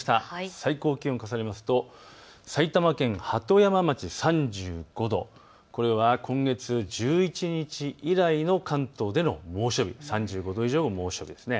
最高気温を重ねますと埼玉県鳩山町３５度、これは今月１１日以来の関東での猛暑日、３５度以上の猛暑日です。